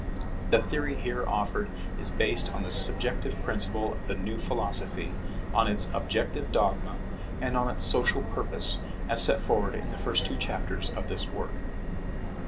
The theory here offered is based on the subjective principle of the new philosophy, on its objective dogma, and on its social purpose; as set forward in the two first chapters of this work.